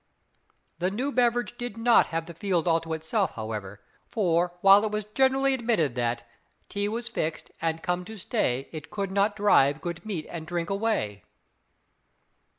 The new beverage did not have the field all to itself, however, for, while it was generally admitted that Tea was fixed, and come to stay. It could not drive good meat and drink away.